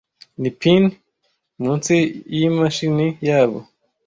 Ni pin, munsi y'amashami yabo